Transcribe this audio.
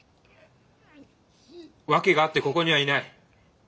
訳があってここにはいない。